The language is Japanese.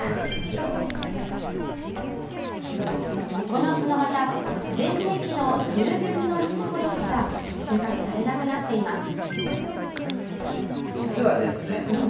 このツノマタ、全盛期の１０分の１ほどしか収穫されなくなっています。